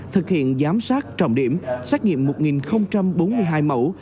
thực hiện giám sát trọng điểm xét nghiệm một bốn mươi hai mẫu